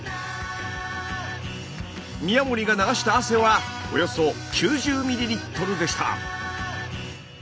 宮森が流した汗はおよそ９０ｍｌでした。